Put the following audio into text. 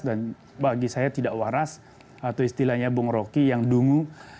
dan bagi saya tidak waras atau istilahnya bung roki yang dungu